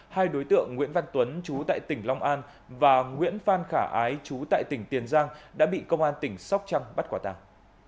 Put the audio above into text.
hai đối tượng nguyễn văn tuấn chú tại tỉnh long an và nguyễn phan khả ái chú tại tỉnh tiền giang đã bị công an tỉnh sóc trăng bắt quả tàng